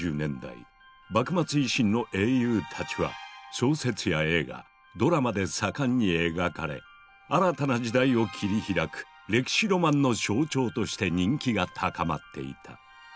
幕末維新の英雄たちは小説や映画ドラマで盛んに描かれ新たな時代を切り開く歴史ロマンの象徴として人気が高まっていた。